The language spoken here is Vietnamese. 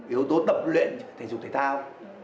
yếu tố tập luyện thể dục thể thao